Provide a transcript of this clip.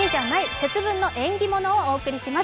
節分の縁起物」をお送りします